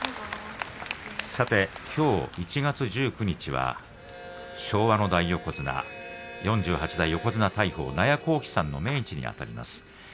きょう１月１９日は昭和の大横綱、４８代横綱大鵬納谷幸喜さんの命日にあたります。